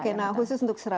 oke nah khusus untuk surabaya